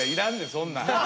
そんなん。